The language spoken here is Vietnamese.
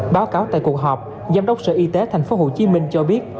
báo cáo tại cuộc họp giám đốc sở y tế tp hcm cho biết